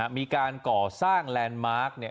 มีการก่อสร้างแลนด์มาร์ค